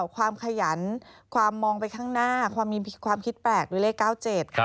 ความขยันความมองไปข้างหน้าความคิดแปลกด้วยเลข๙๗